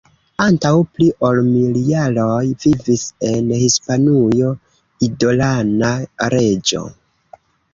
Antaŭ pli ol mil jaroj vivis en Hispanujo idolana reĝo.